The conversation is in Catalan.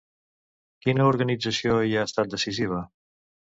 Quina organització hi ha estat decisiva?